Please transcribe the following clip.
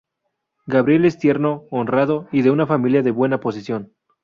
Gabriel es tierno, honrado, y de una familia de buena posición.